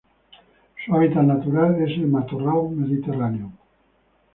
Su hábitat natural es el matorral mediterráneo.